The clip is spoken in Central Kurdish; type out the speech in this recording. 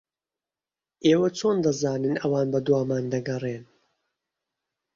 ئێوە چۆن دەزانن ئەوان بەدوامان دەگەڕێن؟